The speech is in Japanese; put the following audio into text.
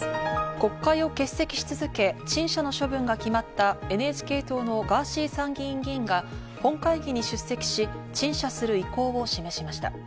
国会は欠席し続け、陳謝の処分が決まったＮＨＫ党のガーシー参議院議員が、本会議に出席し、陳謝する意向を示しました。